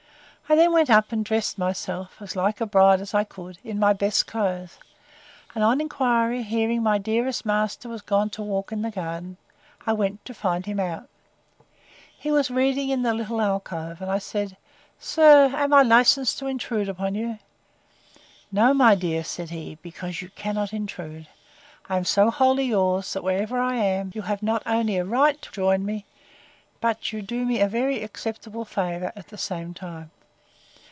I then went up and dressed myself, as like a bride as I could, in my best clothes; and, on inquiry, hearing my dearest master was gone to walk in the garden, I went to find him out. He was reading in the little alcove; and I said, Sir, am I licensed to intrude upon you?—No, my dear, said he, because you cannot intrude. I am so wholly yours, that, wherever I am, you have not only a right to join me, but you do me a very acceptable favour at the same time.